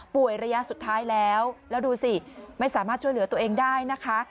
ระยะสุดท้ายแล้วแล้วดูสิไม่สามารถช่วยเหลือตัวเองได้นะคะ